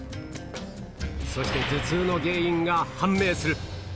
そして頭痛の原因が判明する。